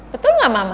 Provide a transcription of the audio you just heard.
betul gak mama